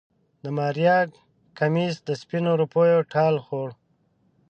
د ماريا کميس سپينو روپيو ټال خوړ.